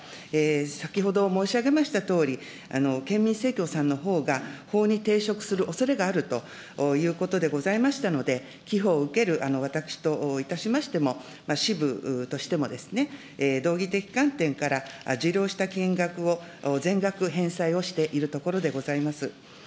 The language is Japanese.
先ほど申し上げましたとおり、県民生協さんのほうが法に抵触するおそれがあるということでございましたので、寄付を受ける私といたしましても、支部としてもですね、道義的観点から受領した金額を全額返済をしているところでございます。